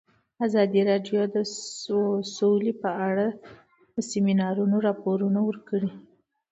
ازادي راډیو د سوله په اړه د سیمینارونو راپورونه ورکړي.